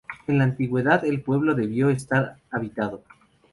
En los antigüedad, el pueblo debió estar habitado.